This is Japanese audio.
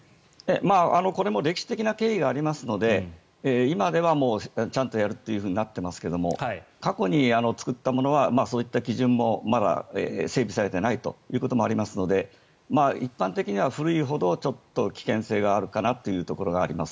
これも歴史的な経緯がありますので今ではちゃんとやるとなっていますけど過去に作ったものはそういった基準もまだ整備されてないということもありますので一般的には古いほどちょっと危険性があるかなというところがあります。